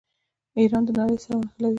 ایران د نړۍ سره نښلوي.